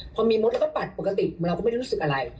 พอมีมดเราก็ปัดปกติเราก็ไม่ได้รู้สึกอะไร